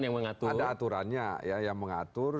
yang mengatur ada aturannya yang mengatur